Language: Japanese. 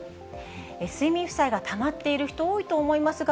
睡眠負債がたまっている人、多いと思いますが、